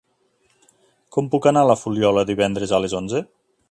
Com puc anar a la Fuliola divendres a les onze?